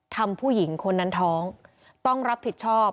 ผู้หญิงคนนั้นท้องต้องรับผิดชอบ